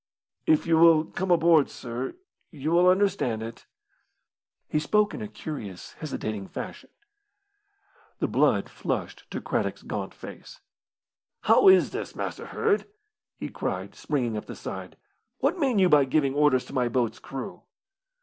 "If you will come aboard, sir, you will understand it." He spoke in a curious, hesitating fashion. The blood flushed to Craddock's gaunt face. "How is this, Master Hird?" he cried, springing up the side. "What mean you by giving orders to my boat's crew?"